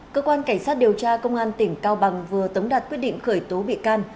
cơ quan cảnh sát điều tra công an tỉnh cao bằng vừa tống đạt quyết định khởi tố bị can